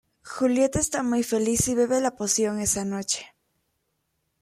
Julieta está muy feliz y bebe la poción esa noche.